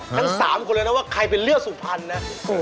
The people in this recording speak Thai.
ทั้ง๓คนเลยนะว่าใครเป็นเลือดสุพรรณนะ